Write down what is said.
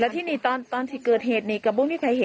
ที่นี่แม่รู้เลยแจ้งไหนวะไอ้พ่อเสียชีวิต